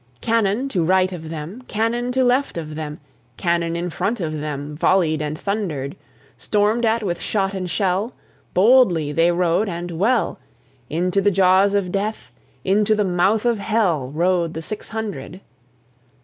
Cannon to right of them, Cannon to left of them, Cannon in front of them Volley'd and thunder'd; Storm'd at with shot and shell Boldly they rode and well, Into the jaws of Death, Into the mouth of Hell Rode the six hundred.